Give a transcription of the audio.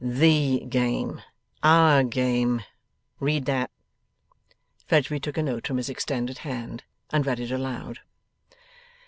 'THE game. OUR game. Read that.' Fledgeby took a note from his extended hand and read it aloud.